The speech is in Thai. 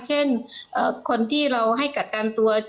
เช่นคนที่เราให้กักกันตัว